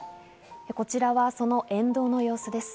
こちらはその沿道の様子です。